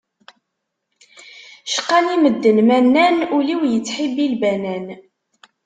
Cqan-i medden ma nnan, ul-iw yettḥibbi lbanan.